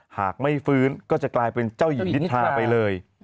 หากไม่ฟื้นก็จะกลายเป็นเจ้าหญิงนิทราไปเลย